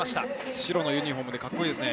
白のユニホームでかっこいいですね。